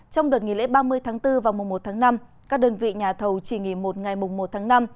trong đợt nghỉ lễ ba mươi tháng bốn và mùa một tháng năm các đơn vị nhà thầu chỉ nghỉ một ngày mùng một tháng năm